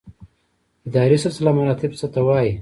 اداري سلسله مراتب څه ته وایي؟